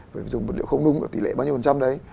phải dùng vật liệu không nung ở tỷ lệ bao nhiêu phần trăm đấy